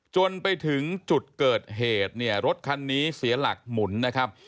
จนถึงจุดเกิดเหตุเนี่ยรถคันนี้เสียหลักหมุนนะครับ